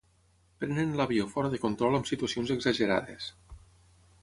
Prenen l'avió fora de control amb situacions exagerades.